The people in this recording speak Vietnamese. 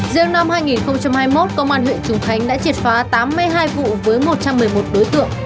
riêng năm hai nghìn hai mươi một công an huyện trùng khánh đã triệt phá tám mươi hai vụ với một trăm một mươi một đối tượng